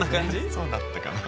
そうだったかな。